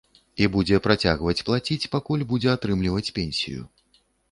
І будзе працягваць плаціць, пакуль будзе атрымліваць пенсію.